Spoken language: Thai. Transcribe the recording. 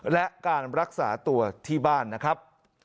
และการรักษาตัวที่บ้านนะครับ